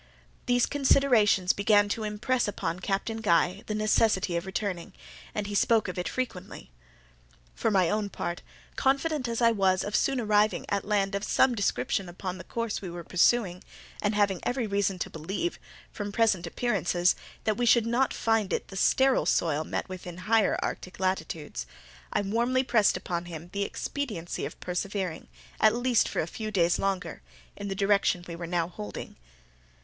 These considerations began to impress upon Captain Guy the necessity of returning, and he spoke of it frequently. For my own part, confident as I was of soon arriving at land of some description upon the course we were pursuing, and having every reason to believe, from present appearances, that we should not find it the sterile soil met with in the higher Arctic latitudes, I warmly pressed upon him the expediency of persevering, at least for a few days longer, in the direction we were now holding.